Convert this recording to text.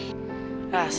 iya ter enak ya disini